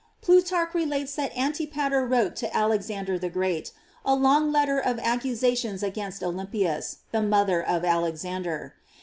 Plutarch re lates that Antipater wrote to Alexander the Great a long letter of accusations against Olympias, the mother of Alexander.